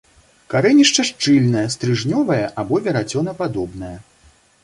Карэнішча шчыльнае, стрыжнёвае або верацёнападобнае.